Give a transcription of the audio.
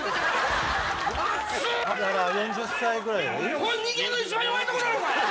ここ人間の一番弱いとこだろお前！